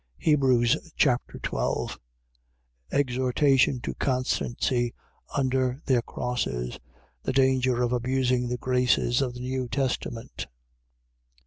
Hebrews Chapter 12 Exhortation to constancy under their crosses. The danger of abusing the graces of the New Testament.